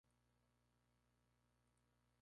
Los orígenes del este castillo-fortaleza son antiguos.